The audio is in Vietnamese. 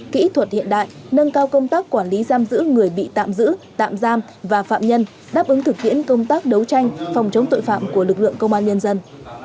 giam giữ người bị tạm giữ tạm giam và phạm nhân đáp ứng thực hiện công tác đấu tranh phòng chống tội phạm của lực lượng công an nhân dân